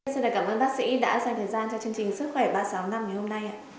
xin cảm ơn bác sĩ đã dành thời gian cho chương trình sức khỏe ba trăm sáu mươi năm ngày hôm nay